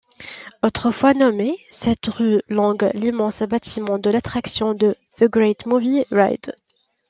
Autrefois nommée ', cette rue longe l'immense bâtiment de l’attraction The Great Movie Ride.